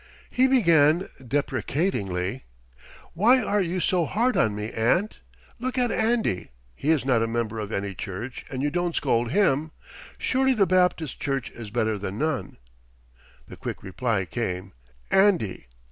He began deprecatingly: "Why are you so hard on me, aunt? Look at Andy, he is not a member of any church and you don't scold him. Surely the Baptist Church is better than none." The quick reply came: "Andy!